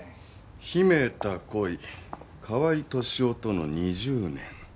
『秘めた恋河合敏夫との二十年』。